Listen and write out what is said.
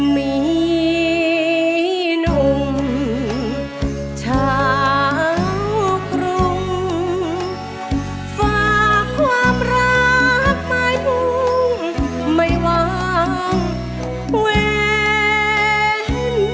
มีหนุ่มชาวกรุงฝากความรักไม้พุ่งไม่วางแหวน